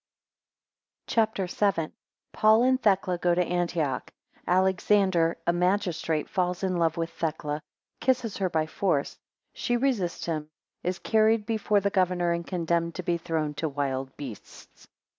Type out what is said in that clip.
CHAPTER VII. 1 Paul and Thecla go to Antioch. 2 Alexander, a magistrate, falls in love with Thecla: 4 kisses her by force: 5 she resists him: 6 is carried before the governor, and condemned to be thrown to wild beasts.